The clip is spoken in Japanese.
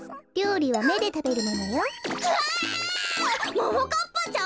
ももかっぱちゃん。